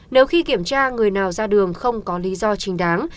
nếu khi kiểm tra người nào ra đường không có lý do chính đáng